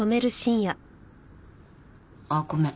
あっごめん。